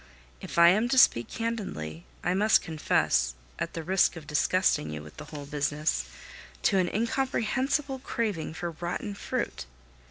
If I am to speak candidly, I must confess, at the risk of disgusting you with the whole business, to an incomprehensible craving for rotten fruit.